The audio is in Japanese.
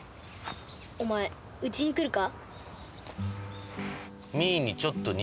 お前うちに来るか？